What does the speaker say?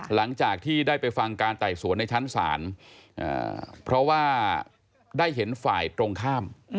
หลังจากที่ได้ไปฟังการไต่สวนในชั้นศาลเพราะว่าได้เห็นฝ่ายตรงข้าม